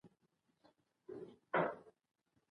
بدکاره ملګري له ځان څخه لرې کړئ.